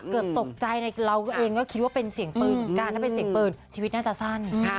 เกิดตกใจในเราเองก็คิดว่าเป็นเสียงเปิดการเป็นเสียงเปิดชีวิตน่าจะสั้น